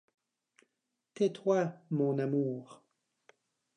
Tais-toi mon amour.